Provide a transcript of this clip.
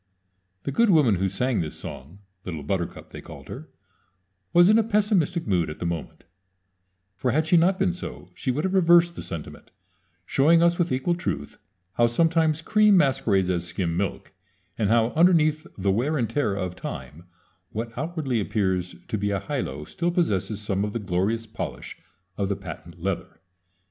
The good woman who sang this song little Buttercup, they called her was in a pessimistic mood at the moment; for had she not been so she would have reversed the sentiment, showing us with equal truth how sometimes cream masquerades as skim milk, and how underneath the wear and tear of time what outwardly appears to be a "high low" still possesses some of the glorious polish of the "patent leather."